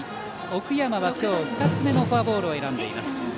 奥山は今日、２つ目のフォアボールを選んでいます。